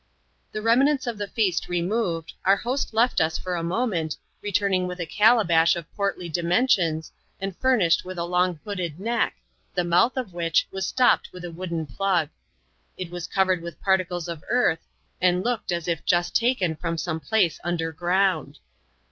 The remnants of the feast removed, our host left ua for a moment, returning with a calabash of portly dimensions, and furnished with a long hooked nedv, the mouth of which wm stopped with a wooden plug. It was covered with particles of earth, and looked as if just taken from some place under ground.